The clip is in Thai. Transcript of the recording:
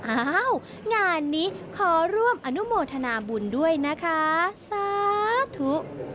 อ้าวงานนี้ขอร่วมอนุโมทนาบุญด้วยนะคะสาธุ